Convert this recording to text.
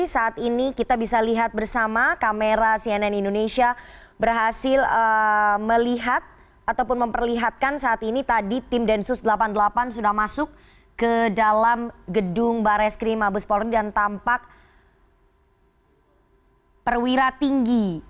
saat ini kita bisa lihat bersama kamera cnn indonesia berhasil melihat ataupun memperlihatkan saat ini tadi tim densus delapan puluh delapan sudah masuk ke dalam gedung bares krim mabes polri dan tampak perwira tinggi